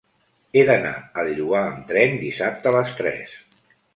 He d'anar al Lloar amb tren dissabte a les tres.